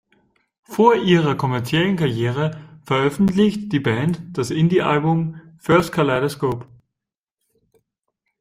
Vor ihrer kommerziellen Karriere veröffentlicht die Band das Indie-Album "first kaleidoscope".